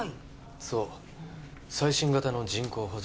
そう最新型の人工補助